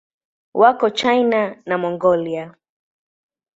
Wako China na Mongolia.